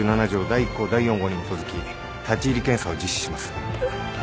第１項第４号に基づき立入検査を実施します。